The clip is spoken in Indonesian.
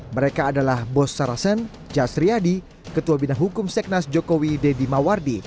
mereka adalah bos sarasen jasriyadi ketua bidang hukum seknas jokowi deddy mawardi